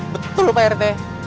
betul pak rt